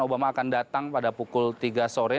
obama akan datang pada pukul tiga sore